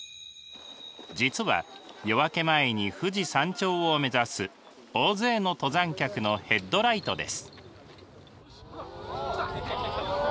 実は夜明け前に富士山頂を目指す大勢の登山客のヘッドライトです。